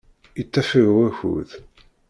Yettafeg wakud.